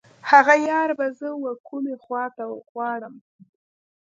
هغه یار به زه و کومې خواته غواړم.